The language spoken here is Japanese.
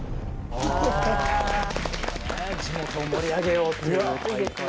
地元を盛り上げようっていう大会で。